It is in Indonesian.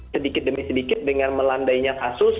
sedikit demi sedikit dengan melandainya kasus